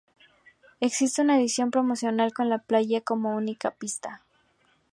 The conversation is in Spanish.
Existe una edición promocional con "La playa" como única pista.